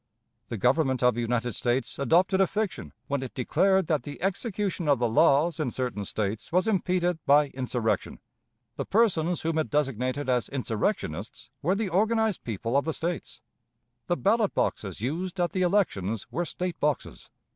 The Government of the United States adopted a fiction when it declared that the execution of the laws in certain States was impeded by "insurrection." The persons whom it designated as insurrectionists were the organized people of the States. The ballot boxes used at the elections were State boxes.